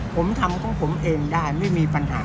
ผมทำของผมเองได้ไม่มีปัญหา